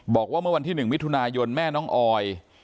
บอกว่าเมื่อวันที่๑มิถุนายนแม่น้องออย